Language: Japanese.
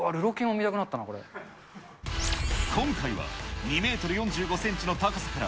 うわ、今回は、２メートル４５センチの高さから、